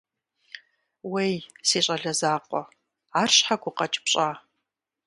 Уей, си щӀалэ закъуэ, ар щхьэ гукъэкӀ пщӀа?